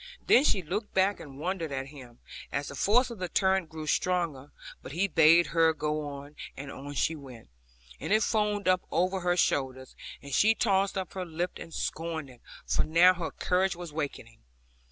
Then she looked back, and wondered at him, as the force of the torrent grew stronger, but he bade her go on; and on she went, and it foamed up over her shoulders; and she tossed up her lip and scorned it, for now her courage was waking.